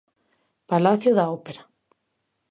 Palacio da Opera.